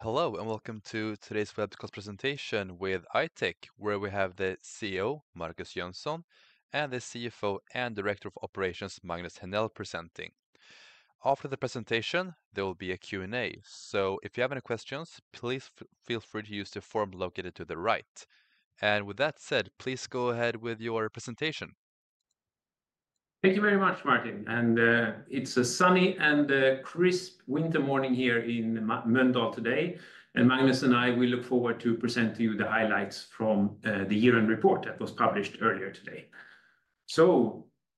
Hello, and welcome to today's webcast presentation with I-Tech, where we have the CEO, Markus Jönsson, and the CFO and Director of Operations, Magnus Henell, presenting. After the presentation, there will be a Q&A, so if you have any questions, please feel free to use the form located to the right. With that said, please go ahead with your presentation. Thank you very much, Martin. It is a sunny and crisp winter morning here in Mölndal today, and Magnus and I will look forward to presenting you the highlights from the year-end report that was published earlier today.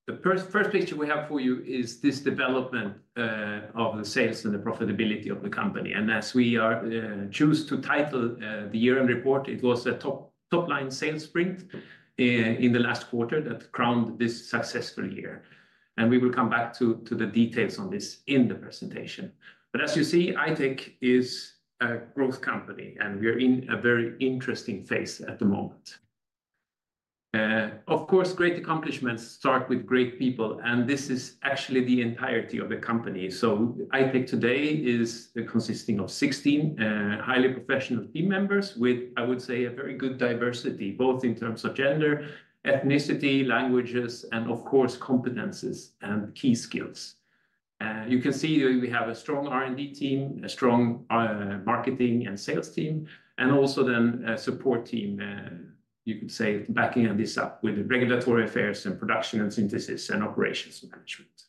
The first picture we have for you is this development of the sales and the profitability of the company. As we choose to title the year-end report, it was a top-line sales sprint in the last quarter that crowned this successful year. We will come back to the details on this in the presentation. As you see, I-Tech is a growth company, and we are in a very interesting phase at the moment. Of course, great accomplishments start with great people, and this is actually the entirety of the company. I-Tech today is consisting of 16 highly professional team members with, I would say, a very good diversity, both in terms of gender, ethnicity, languages, and of course, competencies and key skills. You can see that we have a strong R&D team, a strong marketing and sales team, and also then a support team, you could say, backing this up with regulatory affairs and production and synthesis and operations management.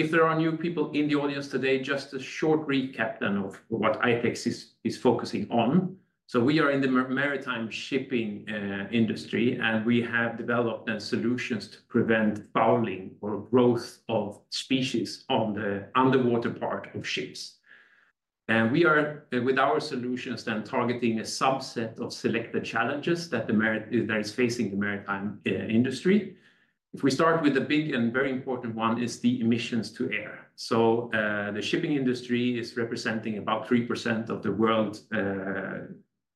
If there are new people in the audience today, just a short recap then of what I-Tech is focusing on. We are in the maritime shipping industry, and we have developed solutions to prevent fouling or growth of species on the underwater part of ships. We are, with our solutions, then targeting a subset of selected challenges that are facing the maritime industry. If we start with the big and very important one, it is the emissions to air. The shipping industry is representing about 3% of the world's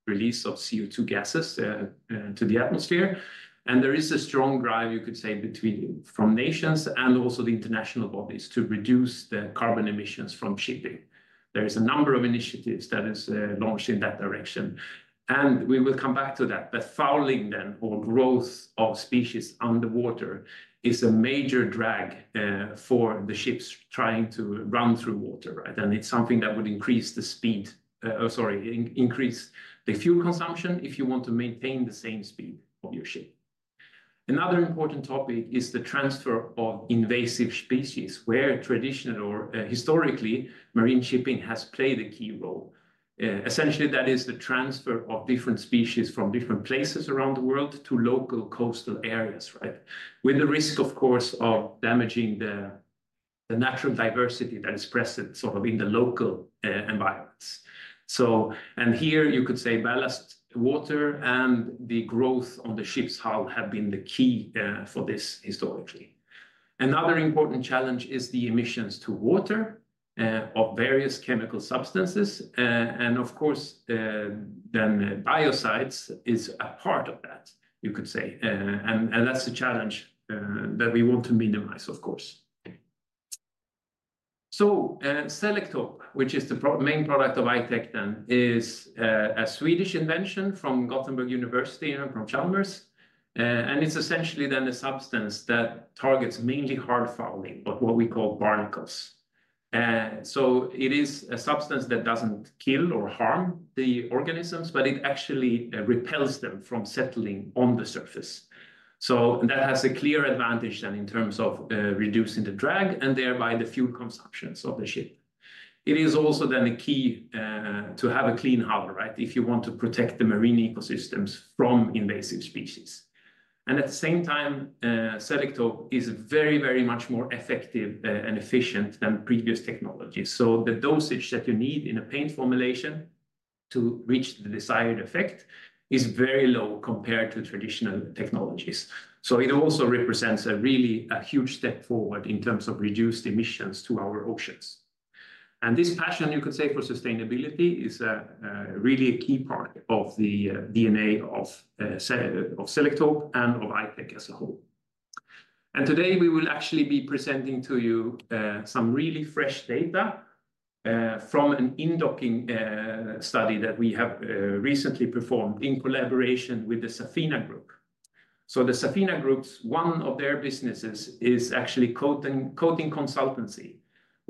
release of CO2 gases to the atmosphere. There is a strong drive, you could say, between nations and also the international bodies to reduce the carbon emissions from shipping. There is a number of initiatives that are launched in that direction, and we will come back to that. Fouling then, or growth of species underwater, is a major drag for the ships trying to run through water, right? It is something that would increase the fuel consumption if you want to maintain the same speed of your ship. Another important topic is the transfer of invasive species, where traditionally or historically marine shipping has played a key role. Essentially, that is the transfer of different species from different places around the world to local coastal areas, right? With the risk, of course, of damaging the natural diversity that is present sort of in the local environments. Here you could say ballast water and the growth on the ship's hull have been the key for this historically. Another important challenge is the emissions to water of various chemical substances. Of course, then biocides are a part of that, you could say. That is a challenge that we want to minimize, of course. Selektope, which is the main product of I-Tech then, is a Swedish invention from Gothenburg University and from Chalmers. It is essentially then a substance that targets mainly hard fouling, what we call barnacles. It is a substance that does not kill or harm the organisms, but it actually repels them from settling on the surface. That has a clear advantage in terms of reducing the drag and thereby the fuel consumption of the ship. It is also a key to have a clean hull, right? If you want to protect the marine ecosystems from invasive species. At the same time, Selektope is very, very much more effective and efficient than previous technologies. The dosage that you need in a paint formulation to reach the desired effect is very low compared to traditional technologies. It also represents a really huge step forward in terms of reduced emissions to our oceans. This passion, you could say, for sustainability is really a key part of the DNA of Selektope and of I-Tech as a whole. Today we will actually be presenting to you some really fresh data from an in-docking study that we have recently performed in collaboration with the Safina Group. The Safina Group, one of their businesses, is actually coating consultancy,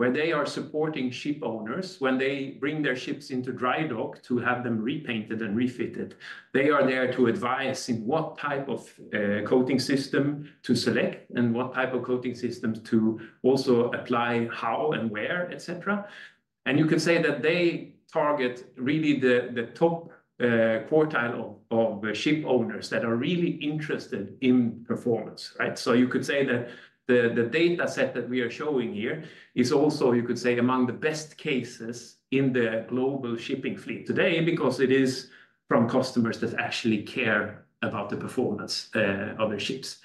where they are supporting ship owners when they bring their ships into dry dock to have them repainted and refitted. They are there to advise in what type of coating system to select and what type of coating systems to also apply, how and where, etc. You could say that they target really the top quartile of ship owners that are really interested in performance, right? You could say that the data set that we are showing here is also, you could say, among the best cases in the global shipping fleet today because it is from customers that actually care about the performance of their ships.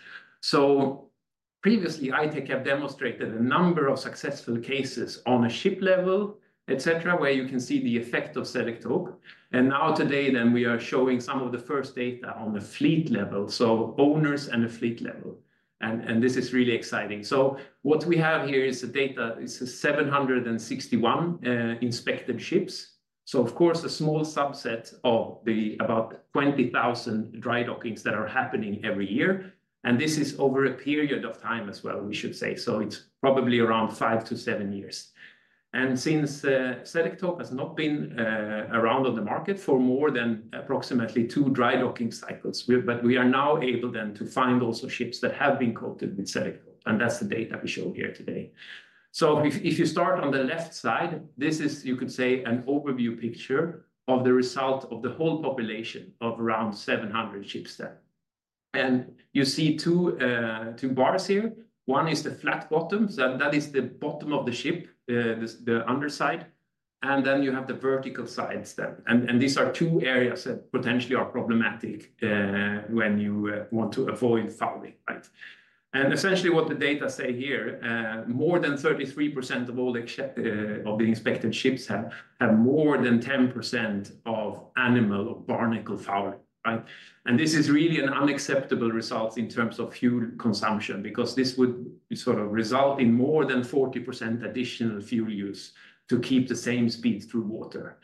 Previously, I-Tech have demonstrated a number of successful cases on a ship level, etc., where you can see the effect of Selektope. Now today, we are showing some of the first data on the fleet level, so owners and the fleet level. This is really exciting. What we have here is the data is 761 inspected ships. Of course, a small subset of the about 20,000 dry dockings that are happening every year. This is over a period of time as well, we should say. It is probably around five to seven years. Since Selektope has not been around on the market for more than approximately two dry docking cycles, we are now able to find also ships that have been coated with Selektope. That is the data we show here today. If you start on the left side, this is, you could say, an overview picture of the result of the whole population of around 700 ships there. You see two bars here. One is the flat bottom, so that is the bottom of the ship, the underside. Then you have the vertical sides there. These are two areas that potentially are problematic when you want to avoid fouling, right? Essentially what the data say here, more than 33% of all the inspected ships have more than 10% of animal or barnacle fouling, right? This is really an unacceptable result in terms of fuel consumption because this would sort of result in more than 40% additional fuel use to keep the same speed through water.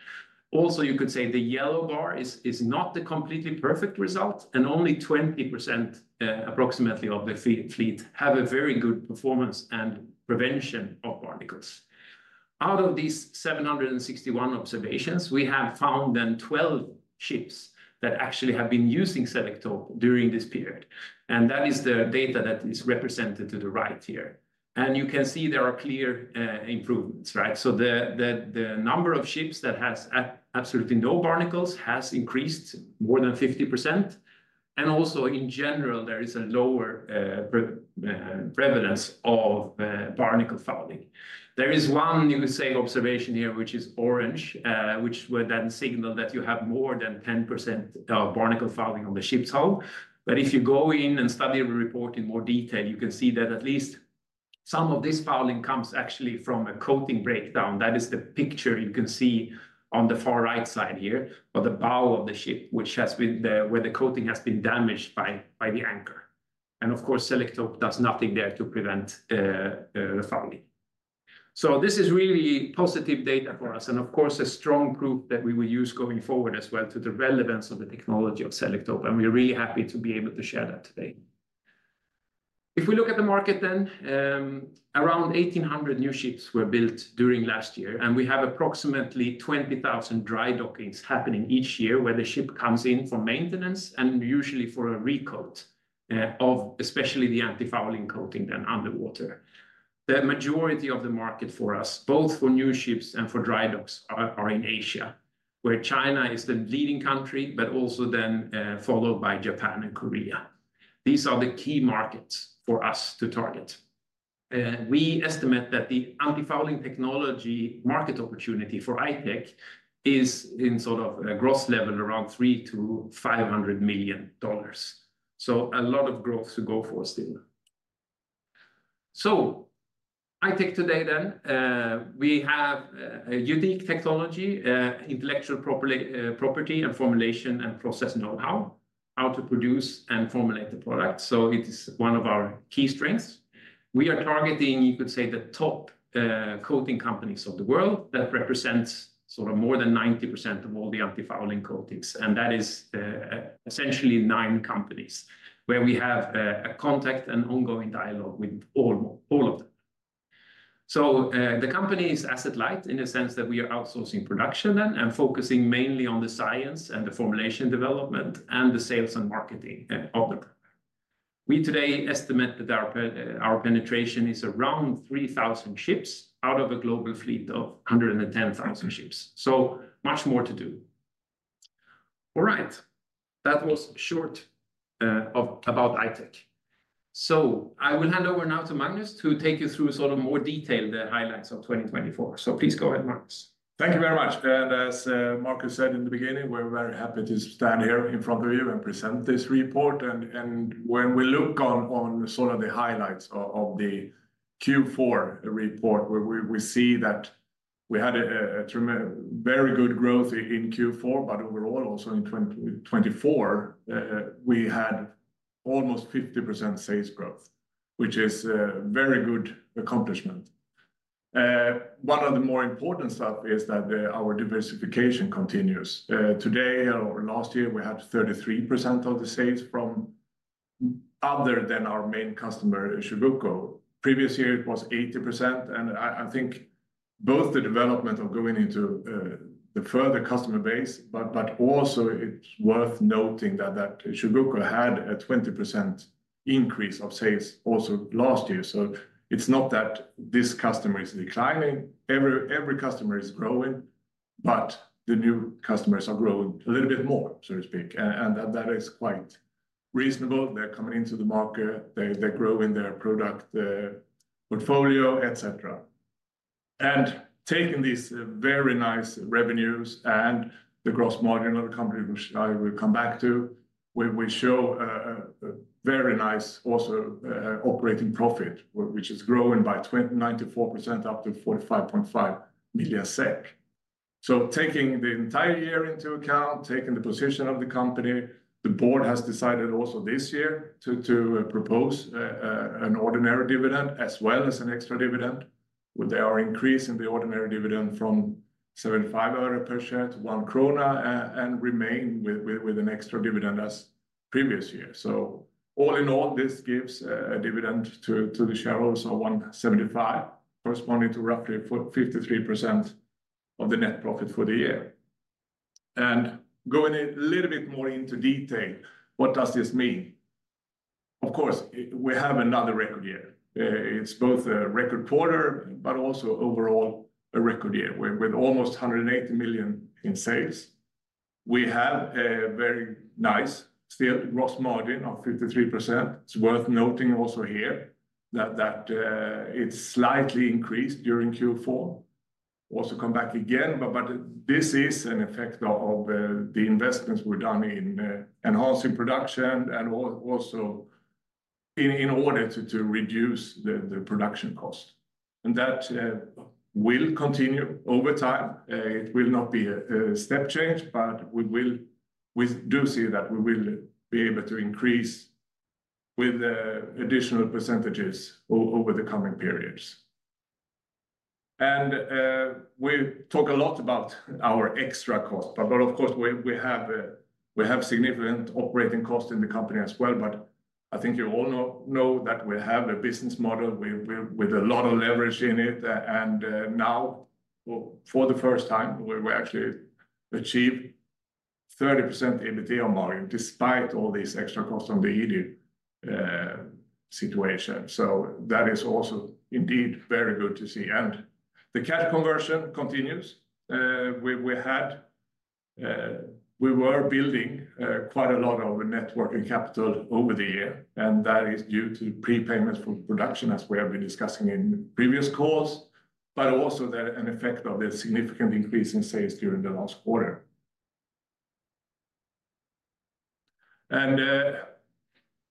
Also, you could say the yellow bar is not the completely perfect result, and only 20% approximately of the fleet have a very good performance and prevention of barnacles. Out of these 761 observations, we have found then 12 ships that actually have been using Selektope during this period. That is the data that is represented to the right here. You can see there are clear improvements, right? The number of ships that has absolutely no barnacles has increased more than 50%. Also in general, there is a lower prevalence of barnacle fouling. There is one new observation here, which is orange, which would then signal that you have more than 10% barnacle fouling on the ship's hull. If you go in and study the report in more detail, you can see that at least some of this fouling comes actually from a coating breakdown. That is the picture you can see on the far right side here, on the bow of the ship, which has been where the coating has been damaged by the anchor. Of course, Selektope does nothing there to prevent the fouling. This is really positive data for us and of course a strong proof that we will use going forward as well to the relevance of the technology of Selektope. We are really happy to be able to share that today. If we look at the market then, around 1,800 new ships were built during last year, and we have approximately 20,000 dry dockings happening each year where the ship comes in for maintenance and usually for a recoat of especially the antifouling coating then underwater. The majority of the market for us, both for new ships and for dry docks, are in Asia, where China is the leading country, but also then followed by Japan and Korea. These are the key markets for us to target. We estimate that the antifouling technology market opportunity for I-Tech is in sort of gross level around $300 million-$500 million. A lot of growth to go for still. I-Tech today then, we have a unique technology, intellectual property and formulation and process know-how, how to produce and formulate the product. It is one of our key strengths. We are targeting, you could say, the top coating companies of the world that represents sort of more than 90% of all the antifouling coatings. That is essentially nine companies where we have a contact and ongoing dialogue with all of them. The company is asset-light in the sense that we are outsourcing production then and focusing mainly on the science and the formulation development and the sales and marketing of the product. We today estimate that our penetration is around 3,000 ships out of a global fleet of 110,000 ships. Much more to do. All right, that was short about I-Tech. I will hand over now to Magnus to take you through sort of more detailed highlights of 2024. Please go ahead, Magnus. Thank you very much. As Markus said in the beginning, we're very happy to stand here in front of you and present this report. When we look on sort of the highlights of the Q4 report, we see that we had a very good growth in Q4, but overall also in 2024, we had almost 50% sales growth, which is a very good accomplishment. One of the more important stuff is that our diversification continues. Today or last year, we had 33% of the sales from other than our main customer, Chugoku. Previous year, it was 80%. I think both the development of going into the further customer base, but also it's worth noting that Chugoku had a 20% increase of sales also last year. It is not that this customer is declining. Every customer is growing, but the new customers are growing a little bit more, so to speak. That is quite reasonable. They are coming into the market. They are growing their product portfolio, etc. Taking these very nice revenues and the gross margin of the company, which I will come back to, we show a very nice also operating profit, which is growing by 94% up to 45.5 million SEK. Taking the entire year into account, taking the position of the company, the board has decided also this year to propose an ordinary dividend as well as an extra dividend. They are increasing the ordinary dividend from SEK 0.75 per share to 1 krona and remain with an extra dividend as previous year. All in all, this gives a dividend to the shareholders of 1.75, corresponding to roughly 53% of the net profit for the year. Going a little bit more into detail, what does this mean? Of course, we have another record year. It is both a record quarter, but also overall a record year with almost 180 million in sales. We have a very nice still gross margin of 53%. It is worth noting also here that it has slightly increased during Q4. I will also come back again, but this is an effect of the investments we have done in enhancing production and also in order to reduce the production cost. That will continue over time. It will not be a step change, but we do see that we will be able to increase with additional percentages over the coming periods. We talk a lot about our extra cost, but of course we have significant operating cost in the company as well. I think you all know that we have a business model with a lot of leverage in it. Now for the first time, we actually achieve 30% EBITDA margin despite all these extra costs on the EDU situation. That is also indeed very good to see. The cash conversion continues. We were building quite a lot of net working capital over the year, and that is due to prepayments for production, as we have been discussing in previous calls, but also the effect of the significant increase in sales during the last quarter.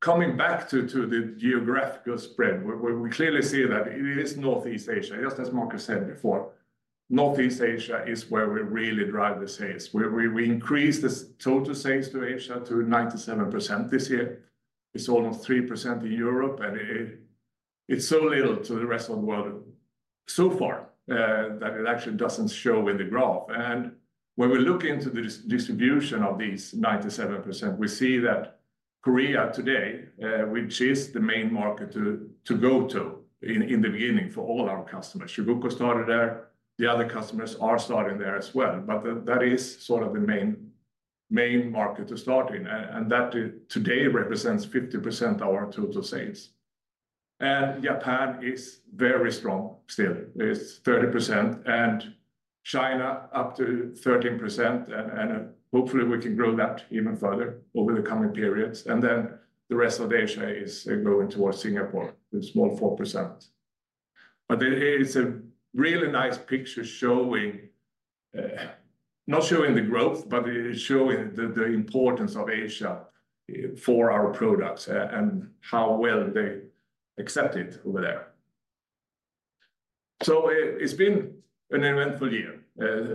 Coming back to the geographical spread, we clearly see that it is Northeast Asia, just as Markus said before. Northeast Asia is where we really drive the sales. We increased the total sales to Asia to 97% this year. It's almost 3% in Europe, and it's so little to the rest of the world so far that it actually doesn't show in the graph. When we look into the distribution of these 97%, we see that Korea today, which is the main market to go to in the beginning for all our customers, Chugoku started there. The other customers are starting there as well, that is sort of the main market to start in. That today represents 50% of our total sales. Japan is very strong still. It's 30%, and China up to 13%, and hopefully we can grow that even further over the coming periods. The rest of Asia is going towards Singapore, a small 4%. It's a really nice picture showing, not showing the growth, but showing the importance of Asia for our products and how well they accept it over there. It's been an eventful year.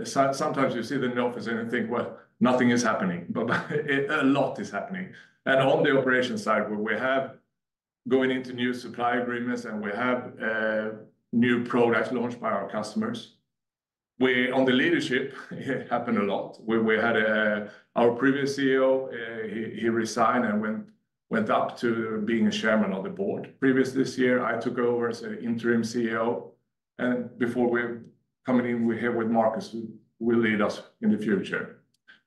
Sometimes you see the officer and think, well, nothing is happening, but a lot is happening. On the operation side, we have going into new supply agreements and we have new products launched by our customers. On the leadership, it happened a lot. We had our previous CEO, he resigned and went up to being Chairman of the Board. Previous this year, I took over as an interim CEO. Before we're coming in here with Markus, who will lead us in the future.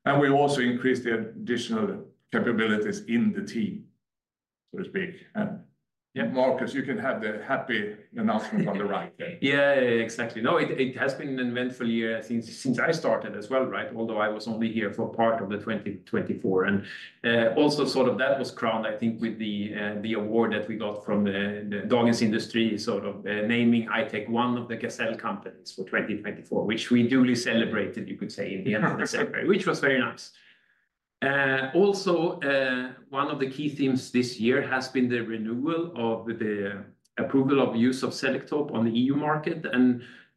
We also increased the additional capabilities in the team, so to speak. Markus, you can have the happy announcement on the right there. Yeah, exactly. No, it has been an eventful year since I started as well, right? Although I was only here for part of 2024. Also, that was crowned, I think, with the award that we got from the Dagens Industri, naming I-Tech one of the Gazelle companies for 2024, which we duly celebrated, you could say, at the end of the summer, which was very nice. Also, one of the key themes this year has been the renewal of the approval of use of Selektope on the EU market.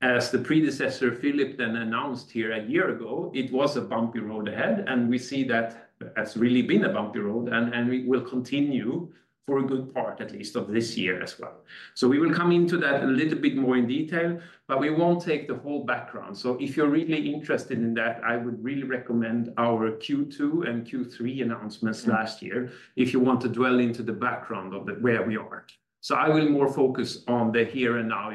As the predecessor Philip then announced here a year ago, it was a bumpy road ahead. We see that it has really been a bumpy road, and we will continue for a good part, at least of this year as well. We will come into that a little bit more in detail, but we won't take the whole background. If you're really interested in that, I would really recommend our Q2 and Q3 announcements last year if you want to dwell into the background of where we are. I will more focus on the here and now,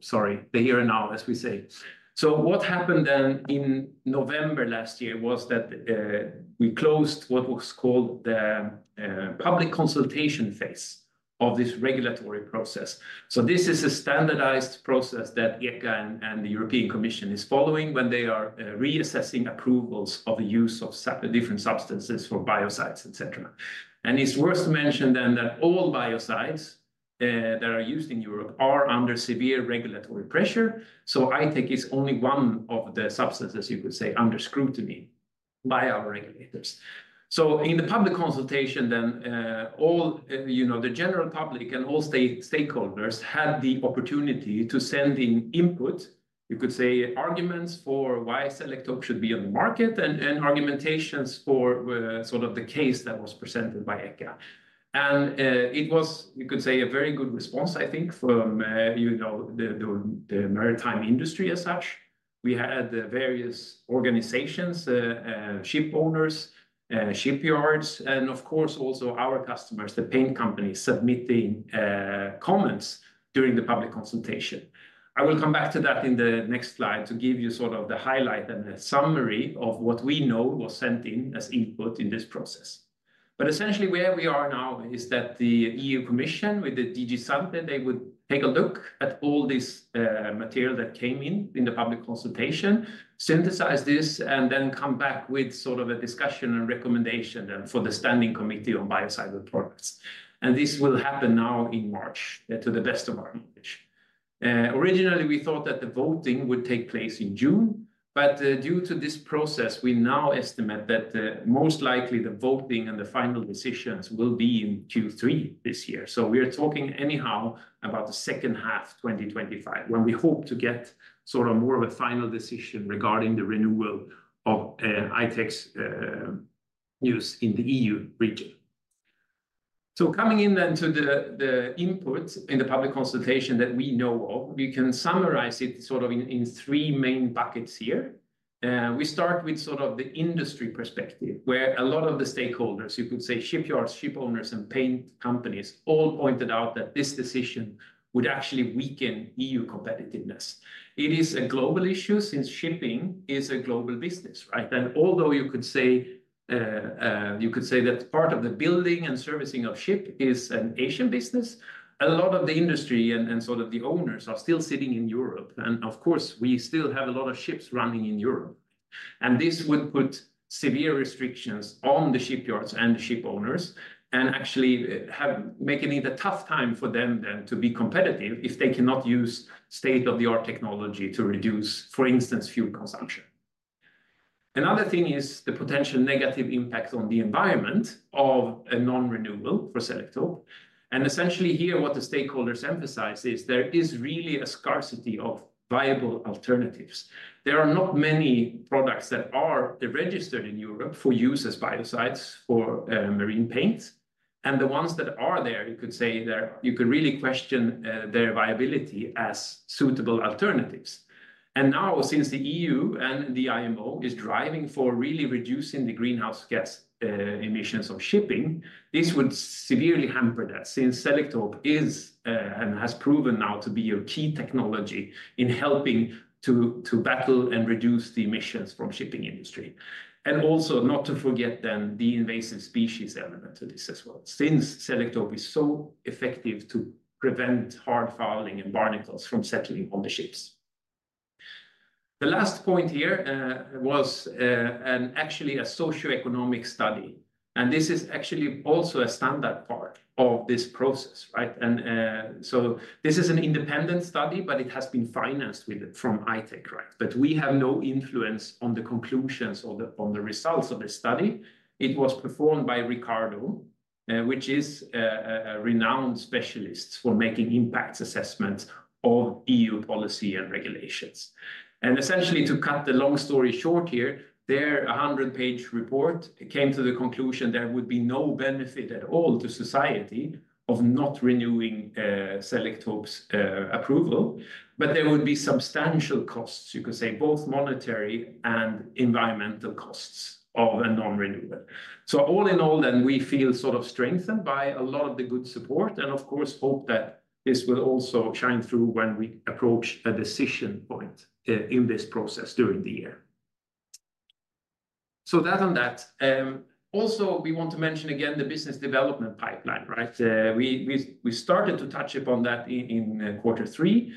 sorry, the here and now, as we say. What happened then in November last year was that we closed what was called the public consultation phase of this regulatory process. This is a standardized process that ECHA and the European Commission is following when they are reassessing approvals of the use of different substances for biocides, etc. It's worth to mention then that all biocides that are used in Europe are under severe regulatory pressure. I-Tech is only one of the substances, you could say, under scrutiny by our regulators. In the public consultation then, all the general public and all stakeholders had the opportunity to send in input, you could say, arguments for why Selektope should be on the market and argumentations for sort of the case that was presented by ECHA. It was, you could say, a very good response, I think, from the maritime industry as such. We had various organizations, ship owners, shipyards, and of course also our customers, the paint companies submitting comments during the public consultation. I will come back to that in the next slide to give you sort of the highlight and a summary of what we know was sent in as input in this process. Essentially where we are now is that the European Commission with the DG SANTE, they would take a look at all this material that came in in the public consultation, synthesize this, and then come back with sort of a discussion and recommendation then for the Standing Committee on Biocidal Products. This will happen now in March to the best of our knowledge. Originally, we thought that the voting would take place in June, but due to this process, we now estimate that most likely the voting and the final decisions will be in Q3 this year. We are talking anyhow about the second half 2025 when we hope to get sort of more of a final decision regarding the renewal of I-Tech's use in the EU region. Coming in then to the input in the public consultation that we know of, we can summarize it sort of in three main buckets here. We start with sort of the industry perspective where a lot of the stakeholders, you could say shipyards, ship owners, and paint companies all pointed out that this decision would actually weaken EU competitiveness. It is a global issue since shipping is a global business, right? Although you could say, you could say that part of the building and servicing of ship is an Asian business, a lot of the industry and sort of the owners are still sitting in Europe. Of course, we still have a lot of ships running in Europe. This would put severe restrictions on the shipyards and the ship owners and actually make it a tough time for them to be competitive if they cannot use state-of-the-art technology to reduce, for instance, fuel consumption. Another thing is the potential negative impact on the environment of a non-renewal for Selektope. Essentially here what the stakeholders emphasize is there is really a scarcity of viable alternatives. There are not many products that are registered in Europe for use as biocides for marine paint. The ones that are there, you could say that you could really question their viability as suitable alternatives. Now since the EU and the IMO is driving for really reducing the greenhouse gas emissions of shipping, this would severely hamper that since Selektope is and has proven now to be a key technology in helping to battle and reduce the emissions from the shipping industry. Also not to forget then the invasive species element to this as well since Selektope is so effective to prevent hard fouling and barnacles from settling on the ships. The last point here was actually a socioeconomic study. This is actually also a standard part of this process, right? This is an independent study, but it has been financed from I-Tech, right? We have no influence on the conclusions or the results of this study. It was performed by Ricardo, which is a renowned specialist for making impact assessments of EU policy and regulations. Essentially, to cut the long story short here, their 100-page report came to the conclusion there would be no benefit at all to society of not renewing Selektope's approval, but there would be substantial costs, you could say, both monetary and environmental costs of a non-renewal. All in all then, we feel sort of strengthened by a lot of the good support and of course hope that this will also shine through when we approach a decision point in this process during the year. On that, also we want to mention again the business development pipeline, right? We started to touch upon that in quarter three.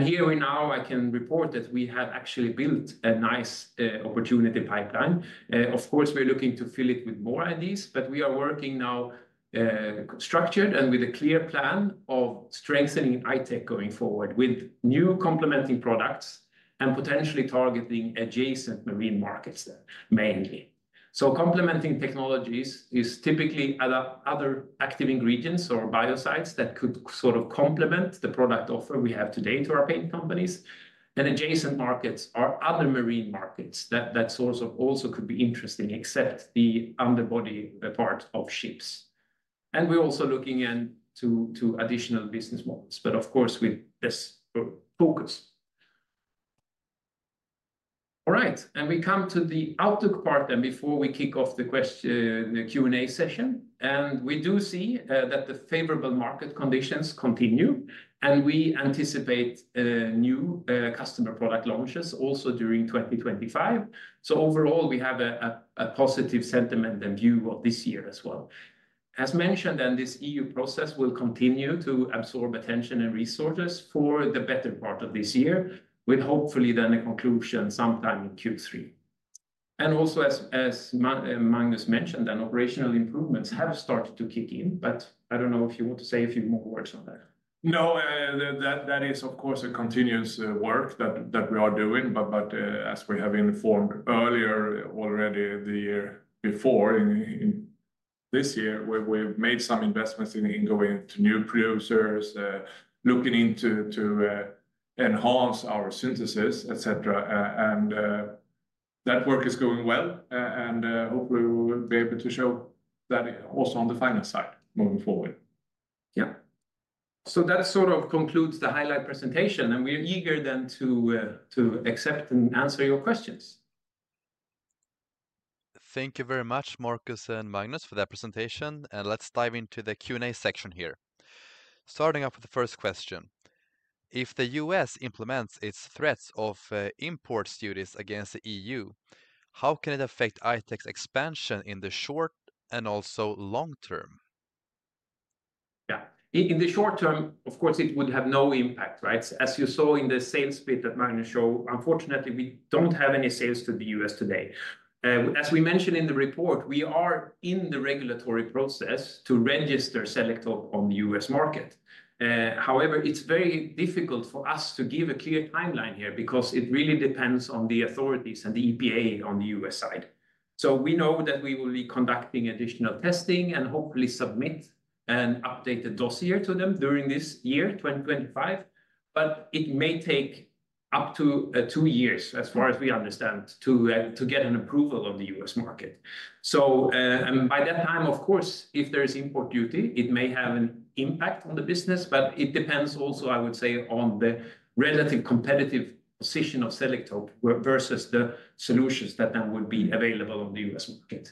Here we now, I can report that we have actually built a nice opportunity pipeline. Of course, we're looking to fill it with more ideas, but we are working now structured and with a clear plan of strengthening I-Tech going forward with new complementing products and potentially targeting adjacent marine markets mainly. Complementing technologies is typically other active ingredients or biocides that could sort of complement the product offer we have today to our paint companies. Adjacent markets are other marine markets that sort of also could be interesting except the underbody part of ships. We're also looking into additional business models, but of course with this focus. All right, we come to the outlook part then before we kick off the question Q&A session. We do see that the favorable market conditions continue, and we anticipate new customer product launches also during 2025. Overall, we have a positive sentiment and view of this year as well. As mentioned then, this EU process will continue to absorb attention and resources for the better part of this year with hopefully then a conclusion sometime in Q3. Also as Magnus mentioned, operational improvements have started to kick in, but I don't know if you want to say a few more words on that. No, that is of course a continuous work that we are doing, but as we have informed earlier already the year before this year, we have made some investments in going to new producers, looking into enhancing our synthesis, etc. That work is going well, and hopefully we will be able to show that also on the finance side moving forward. Yeah. That sort of concludes the highlight presentation, and we're eager then to accept and answer your questions. Thank you very much, Markus and Magnus, for that presentation, and let's dive into the Q&A section here. Starting off with the first question. If the U.S. implements its threats of import duties against the EU, how can it affect I-Tech's expansion in the short and also long term? Yeah, in the short term, of course it would have no impact, right? As you saw in the sales pit that Magnus showed, unfortunately, we do not have any sales to the U.S. today. As we mentioned in the report, we are in the regulatory process to register Selektope on the U.S. market. However, it is very difficult for us to give a clear timeline here because it really depends on the authorities and the EPA on the U.S. side. We know that we will be conducting additional testing and hopefully submit an updated dossier to them during this year 2025, but it may take up to two years as far as we understand to get an approval of the U.S. market. By that time, of course, if there is import duty, it may have an impact on the business, but it depends also, I would say, on the relative competitive position of Selektope versus the solutions that then would be available on the U.S. market.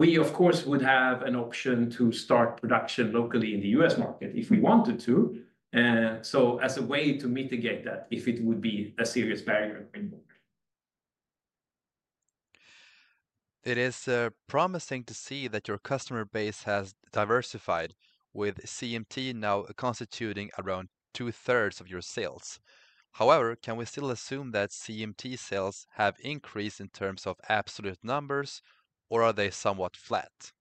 We, of course, would have an option to start production locally in the U.S. market if we wanted to, so as a way to mitigate that if it would be a serious barrier in the market. It is promising to see that your customer base has diversified with CMP now constituting around two-thirds of your sales. However, can we still assume that CMP sales have increased in terms of absolute numbers, or are they somewhat flat?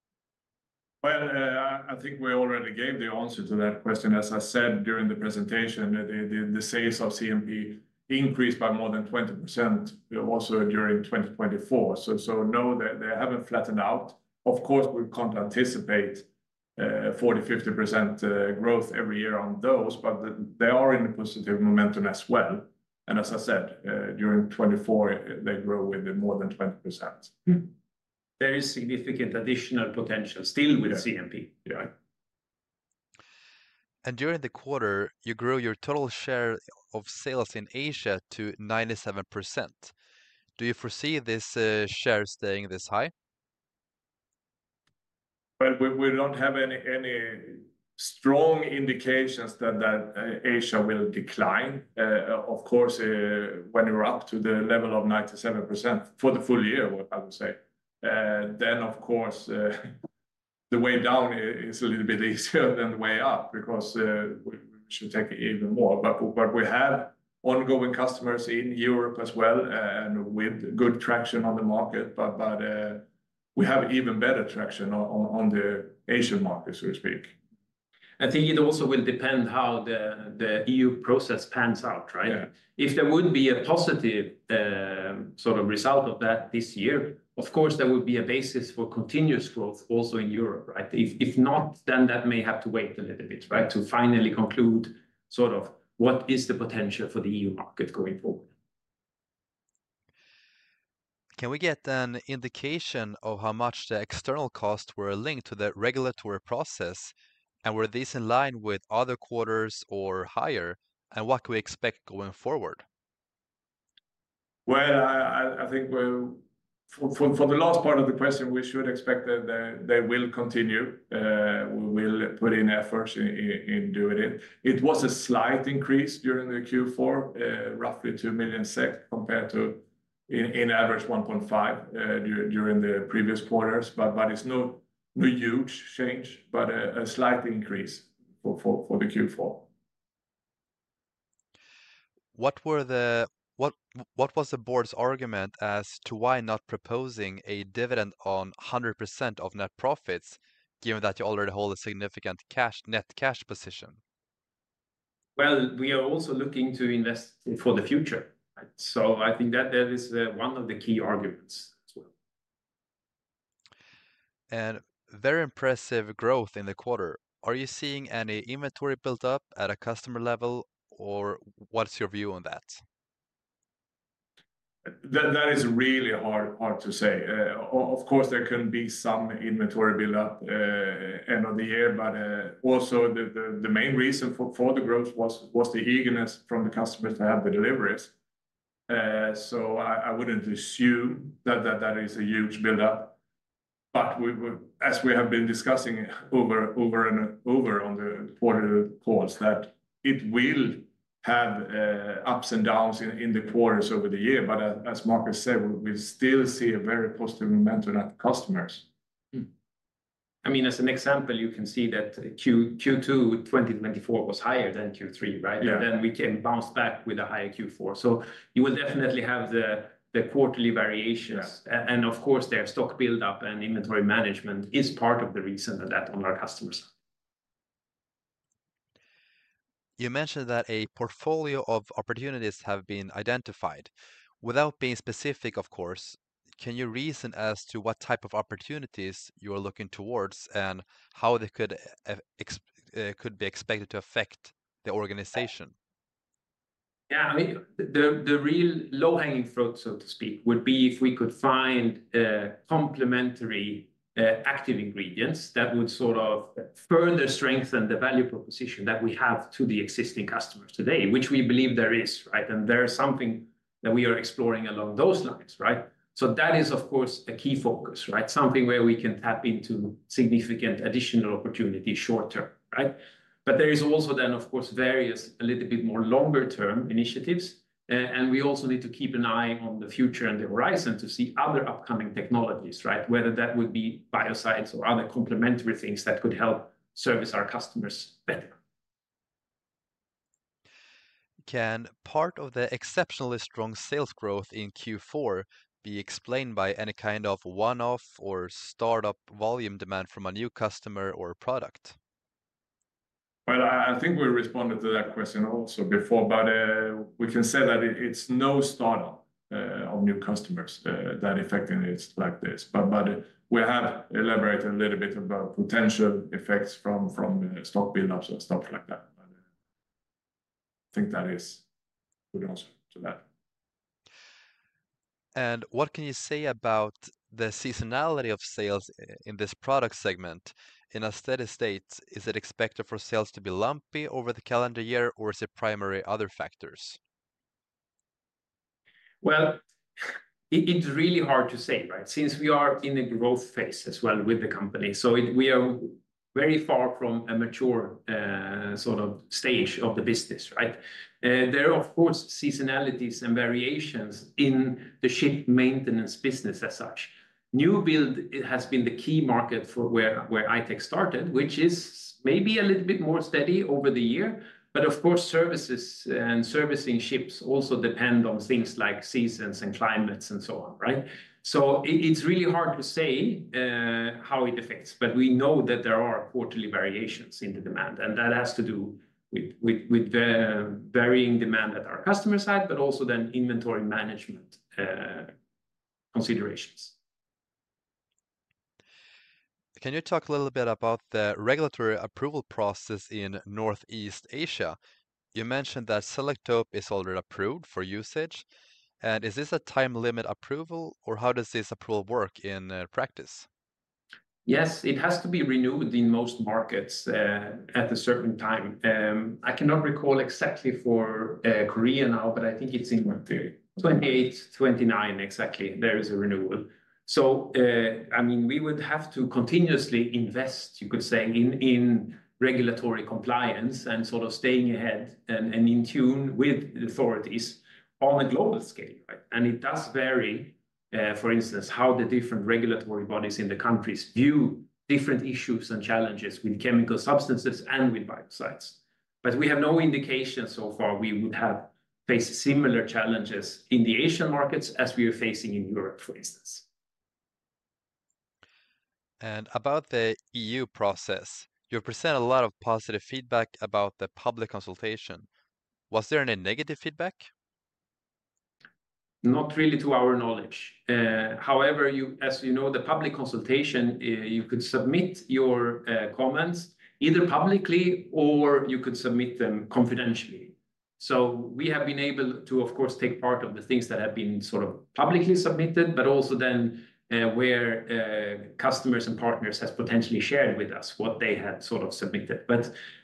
I think we already gave the answer to that question. As I said during the presentation, the sales of CMP increased by more than 20% also during 2024. No, they have not flattened out. Of course, we cannot anticipate 40-50% growth every year on those, but they are in a positive momentum as well. As I said, during 2024, they grew with more than 20%. There is significant additional potential still with CMP. Yeah. During the quarter, you grew your total share of sales in Asia to 97%. Do you foresee this share staying this high? We do not have any strong indications that Asia will decline. Of course, when we are up to the level of 97% for the full year, I would say the way down is a little bit easier than the way up because we should take it even more. We have ongoing customers in Europe as well and with good traction on the market, but we have even better traction on the Asian market, so to speak. I think it also will depend how the EU process pans out, right? If there would be a positive sort of result of that this year, of course, there would be a basis for continuous growth also in Europe, right? If not, then that may have to wait a little bit, right, to finally conclude sort of what is the potential for the EU market going forward. Can we get an indication of how much the external costs were linked to the regulatory process, and were these in line with other quarters or higher, and what can we expect going forward? I think for the last part of the question, we should expect that they will continue. We will put in efforts in doing it. It was a slight increase during the Q4, roughly 2 million SEK compared to in average 1.5 million during the previous quarters, but it is no huge change, but a slight increase for the Q4. What was the board's argument as to why not proposing a dividend on 100% of net profits given that you already hold a significant net cash position? We are also looking to invest for the future. I think that is one of the key arguments as well. Very impressive growth in the quarter. Are you seeing any inventory build-up at a customer level, or what's your view on that? That is really hard to say. Of course, there can be some inventory build-up at the end of the year, but also the main reason for the growth was the eagerness from the customers to have the deliveries. I would not assume that that is a huge build-up. As we have been discussing over and over on the quarterly calls, it will have ups and downs in the quarters over the year, but as Markus said, we still see a very positive momentum at customers. I mean, as an example, you can see that Q2 2024 was higher than Q3, right? You can see that we bounced back with a higher Q4. You will definitely have the quarterly variations. Of course, their stock build-up and inventory management is part of the reason for that on our customers. You mentioned that a portfolio of opportunities have been identified. Without being specific, of course, can you reason as to what type of opportunities you are looking towards and how they could be expected to affect the organization? Yeah, I mean, the real low-hanging fruit, so to speak, would be if we could find complementary active ingredients that would sort of further strengthen the value proposition that we have to the existing customers today, which we believe there is, right? There is something that we are exploring along those lines, right? That is, of course, a key focus, right? Something where we can tap into significant additional opportunity short-term, right? There is also various a little bit more longer-term initiatives. We also need to keep an eye on the future and the horizon to see other upcoming technologies, right? Whether that would be biocides or other complementary things that could help service our customers better. Can part of the exceptionally strong sales growth in Q4 be explained by any kind of one-off or startup volume demand from a new customer or product? I think we responded to that question also before, but we can say that it's no startup of new customers that affecting it like this. We have elaborated a little bit about potential effects from stock build-ups and stuff like that. I think that is a good answer to that. What can you say about the seasonality of sales in this product segment? In a steady state, is it expected for sales to be lumpy over the calendar year, or is it primarily other factors? It's really hard to say, right? Since we are in a growth phase as well with the company, we are very far from a mature sort of stage of the business, right? There are, of course, seasonalities and variations in the ship maintenance business as such. New build has been the key market for where I-Tech started, which is maybe a little bit more steady over the year. Of course, services and servicing ships also depend on things like seasons and climates and so on, right? It's really hard to say how it affects, but we know that there are quarterly variations in the demand, and that has to do with varying demand at our customer side, but also then inventory management considerations. Can you talk a little bit about the regulatory approval process in Northeast Asia? You mentioned that Selektope is already approved for usage. Is this a time-limit approval, or how does this approval work in practice? Yes, it has to be renewed in most markets at a certain time. I cannot recall exactly for Korea now, but I think it is in 2028, 2029 exactly, there is a renewal. I mean, we would have to continuously invest, you could say, in regulatory compliance and sort of staying ahead and in tune with the authorities on a global scale, right? It does vary, for instance, how the different regulatory bodies in the countries view different issues and challenges with chemical substances and with biocides. We have no indication so far we would have faced similar challenges in the Asian markets as we are facing in Europe, for instance. About the EU process, you present a lot of positive feedback about the public consultation. Was there any negative feedback? Not really to our knowledge. However, as you know, the public consultation, you could submit your comments either publicly or you could submit them confidentially. We have been able to, of course, take part of the things that have been sort of publicly submitted, but also then where customers and partners have potentially shared with us what they had sort of submitted.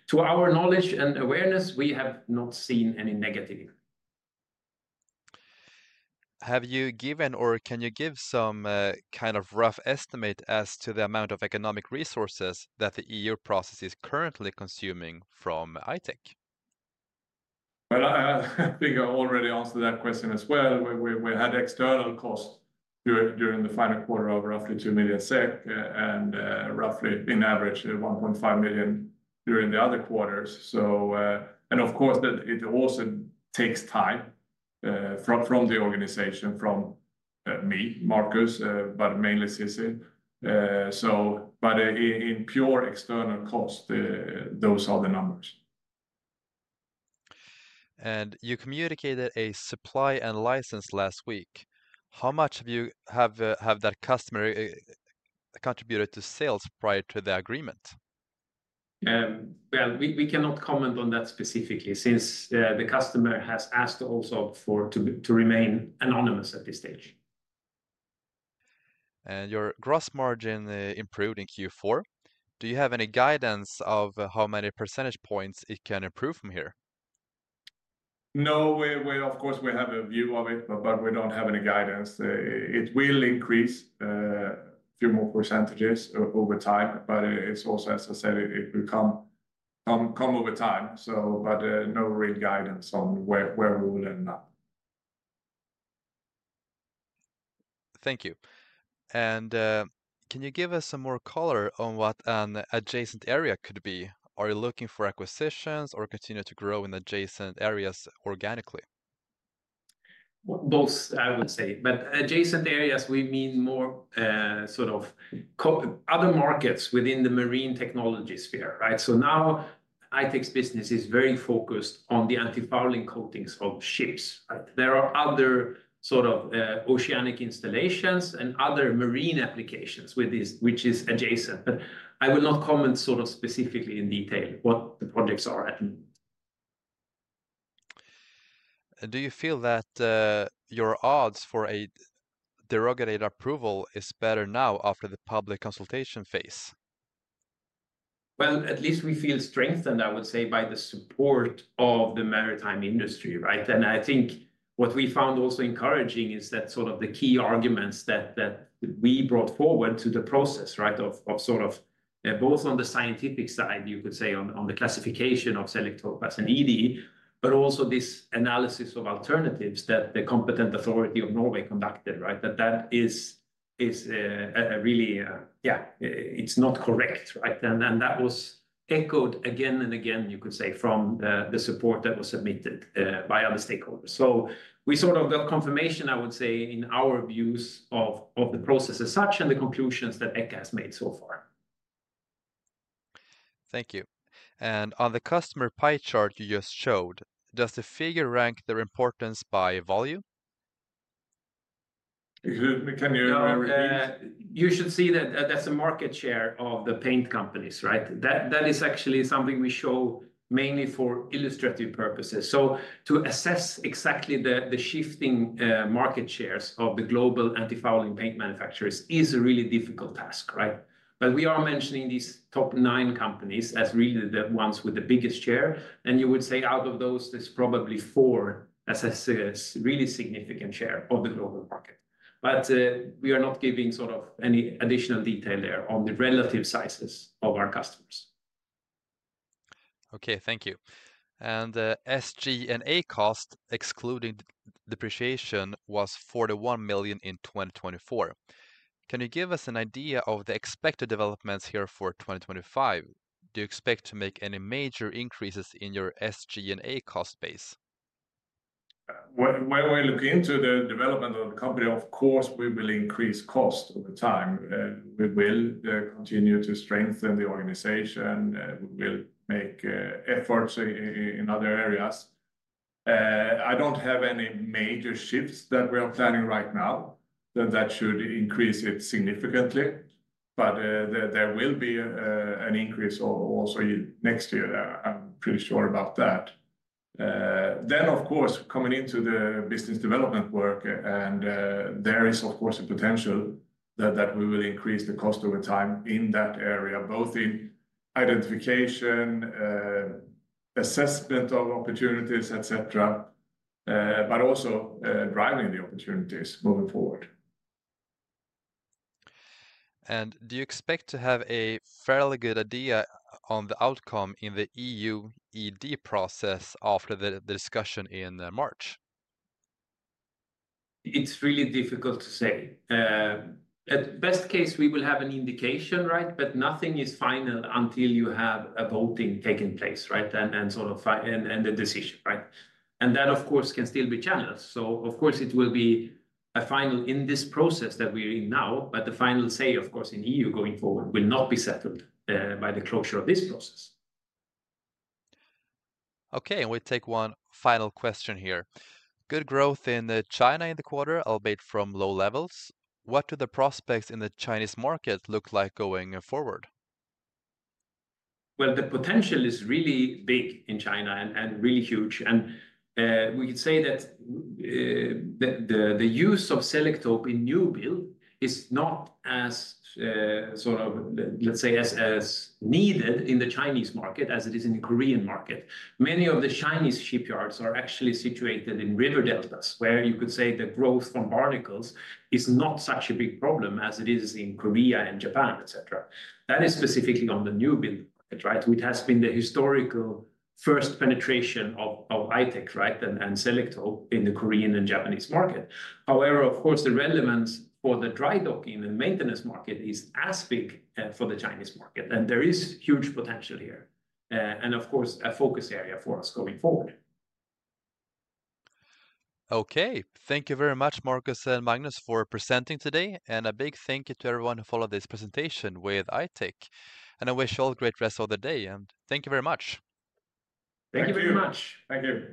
To our knowledge and awareness, we have not seen any negative. Have you given or can you give some kind of rough estimate as to the amount of economic resources that the EU process is currently consuming from I-Tech? I think I already answered that question as well. We had external costs during the final quarter of roughly 2 million SEK and roughly in average 1.5 million during the other quarters. Of course, it also takes time from the organization, from me, Markus, but mainly Cecilia. In pure external cost, those are the numbers. You communicated a supply and license last week. How much have you have that customer contributed to sales prior to the agreement? We cannot comment on that specifically since the customer has asked also to remain anonymous at this stage. Your gross margin improved in Q4. Do you have any guidance of how many percentage points it can improve from here? No, of course, we have a view of it, but we do not have any guidance. It will increase a few more percentages over time, but it is also, as I said, it will come over time. No real guidance on where we will end up. Thank you. Can you give us some more color on what an adjacent area could be? Are you looking for acquisitions or continue to grow in adjacent areas organically? Both, I would say. Adjacent areas, we mean more sort of other markets within the marine technology sphere, right? Now I-Tech's business is very focused on the antifouling coatings of ships, right? There are other sort of oceanic installations and other marine applications which is adjacent, but I will not comment sort of specifically in detail what the projects are at the moment. Do you feel that your odds for a derogatory approval are better now after the public consultation phase? At least we feel strengthened, I would say, by the support of the maritime industry, right? I think what we found also encouraging is that sort of the key arguments that we brought forward to the process, right, of sort of both on the scientific side, you could say, on the classification of Selektope as an ED, but also this analysis of alternatives that the competent authority of Norway conducted, right? That is really, yeah, it's not correct, right? That was echoed again and again, you could say, from the support that was submitted by other stakeholders. We sort of got confirmation, I would say, in our views of the process as such and the conclusions that ECHA has made so far. Thank you. On the customer pie chart you just showed, does the figure rank their importance by volume? Can you repeat? You should see that that's a market share of the paint companies, right? That is actually something we show mainly for illustrative purposes. To assess exactly the shifting market shares of the global antifouling paint manufacturers is a really difficult task, right? We are mentioning these top nine companies as really the ones with the biggest share. You would say out of those, there's probably four as a really significant share of the global market. We are not giving sort of any additional detail there on the relative sizes of our customers. Okay, thank you. SG&A cost, excluding depreciation, was 41 million in 2024. Can you give us an idea of the expected developments here for 2025? Do you expect to make any major increases in your SG&A cost base? When we look into the development of the company, of course, we will increase cost over time. We will continue to strengthen the organization. We will make efforts in other areas. I do not have any major shifts that we are planning right now that should increase it significantly, but there will be an increase also next year. I am pretty sure about that. Of course, coming into the business development work, there is, of course, a potential that we will increase the cost over time in that area, both in identification, assessment of opportunities, etc., but also driving the opportunities moving forward. Do you expect to have a fairly good idea on the outcome in the EU ED process after the discussion in March? It's really difficult to say. At best case, we will have an indication, right? Nothing is final until you have a voting taken place, right? Sort of the decision, right? That, of course, can still be channeled. Of course, it will be a final in this process that we're in now, but the final say, of course, in EU going forward will not be settled by the closure of this process. Okay, and we take one final question here. Good growth in China in the quarter, albeit from low levels. What do the prospects in the Chinese market look like going forward? The potential is really big in China and really huge. We could say that the use of Selektope in new build is not as, sort of, let's say, as needed in the Chinese market as it is in the Korean market. Many of the Chinese shipyards are actually situated in river deltas where you could say the growth from barnacles is not such a big problem as it is in Korea and Japan, etc. That is specifically on the new build market, right? It has been the historical first penetration of I-Tech, right, and Selektope in the Korean and Japanese market. Of course, the relevance for the dry docking and maintenance market is as big for the Chinese market. There is huge potential here. Of course, a focus area for us going forward. Okay, thank you very much, Markus and Magnus, for presenting today. Thank you to everyone who followed this presentation with I-Tech. I wish you all a great rest of the day. Thank you very much. Thank you very much. Thank you.